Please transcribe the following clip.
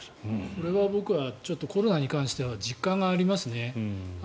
これは僕はコロナに関しては実感がありますね。